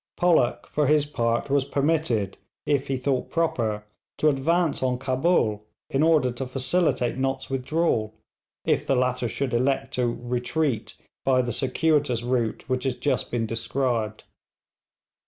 Pollock, for his part, was permitted, if he thought proper, to advance on Cabul in order to facilitate Nott's withdrawal, if the latter should elect to 'retreat' by the circuitous route which has just been described.